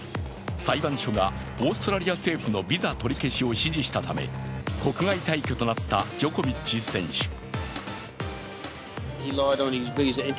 裁判所がオーストラリア政府のビザ取り消しを指示したため国外退去となったジョコビッチ選手。